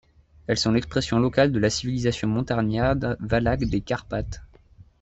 Elles sont l'expression locale de la civilisation montagnarde valaque des Carpates.